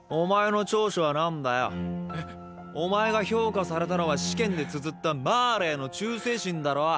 ⁉お前が評価されたのは試験でつづったマーレへの忠誠心だろ？